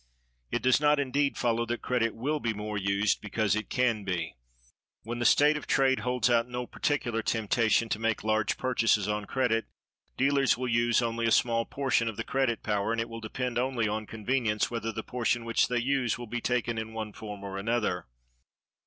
It does not, indeed, follow that credit will be more used because it can be. When the state of trade holds out no particular temptation to make large purchases on credit, dealers will use only a small portion of the credit power, and it will depend only on convenience whether the portion which they use will be taken in one form or in another.